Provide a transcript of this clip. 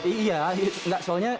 iya enggak soalnya